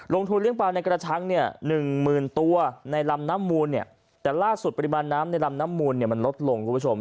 เลี้ยงปลาในกระชังเนี่ยหนึ่งหมื่นตัวในลำน้ำมูลเนี่ยแต่ล่าสุดปริมาณน้ำในลำน้ำมูลเนี่ยมันลดลงคุณผู้ชม